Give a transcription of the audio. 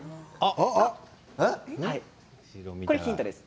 これヒントです